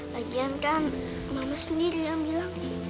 lagian kan mama sendiri yang bilang